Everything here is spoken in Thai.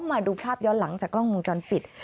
มาดูภาพย้อนหลังจากกล้องวงจรปิด